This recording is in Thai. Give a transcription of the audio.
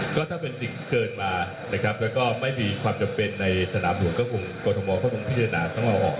ก็เป็นสิ่งเกินมานะครับและก็ไม่มีความจำเป็นในสนามห่วงกระทรวงกระทรวงพิจารณาต้องเอาออกนะครับ